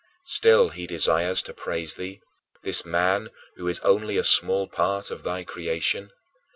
Still he desires to praise thee, this man who is only a small part of thy creation.